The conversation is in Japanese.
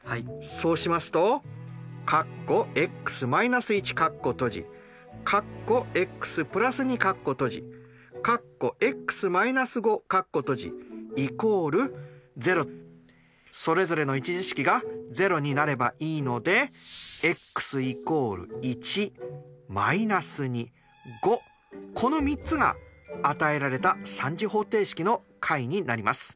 そうしますとそれぞれの１次式が０になればいいのでこの３つが与えられた３次方程式の解になります。